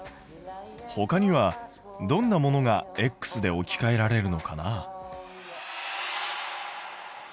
ほかにはどんなものがで置きかえられるのかな？